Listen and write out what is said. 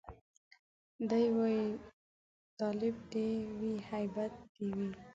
دی وايي تالب دي وي هيبت دي وي